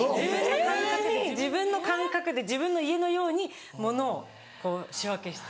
普通に自分の感覚で自分の家のようにものをこう仕分けして。